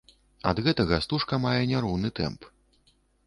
Ад гэтага стужка мае няроўны тэмп.